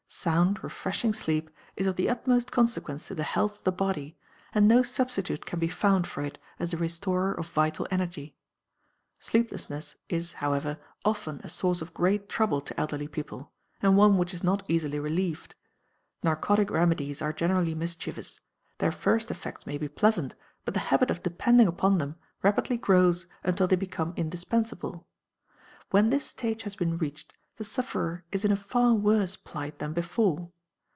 Sound, refreshing sleep is of the utmost consequence to the health of the body, and no substitute can be found for it as a restorer of vital energy. Sleeplessness is, however, often a source of great trouble to elderly people, and one which is not easily relieved. Narcotic remedies are generally mischievous; their first effects may be pleasant, but the habit of depending upon them rapidly grows until they become indispensable. When this stage has been reached, the sufferer is in a far worse plight than before.